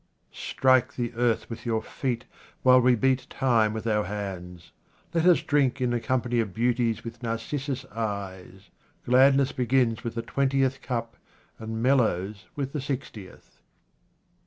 Strike the earth with your feet, while we beat time with our hands. Let us drink in the company of beauties with narcissus eyes. Gladness begins with the twentieth cup, and mellows with the sixtieth.